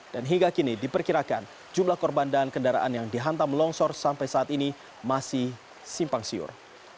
dan hingga kini diperkirakan jumlah korban dan kendaraan yang dihantam longsor sampai saat ini masih simpang siur